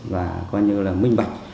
và coi như là minh bạch